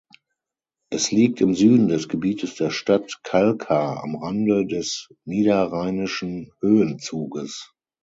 Es liegt im Süden des Gebietes der Stadt Kalkar am Rande des Niederrheinischen Höhenzuges.